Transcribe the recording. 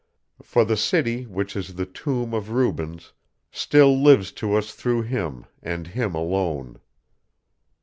For the city which is the tomb of Rubens still lives to us through him, and him alone.